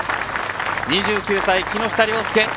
２９歳、木下稜介。